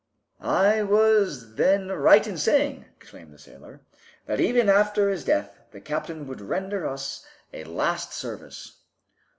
"I was then right in saying," exclaimed the sailor, "that even after his death the captain would render us a last service."